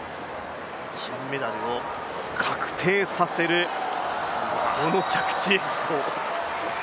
金メダルを確定させる、この着地。